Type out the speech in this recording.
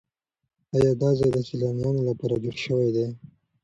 ایا دا ځای د سیلانیانو لپاره جوړ شوی دی؟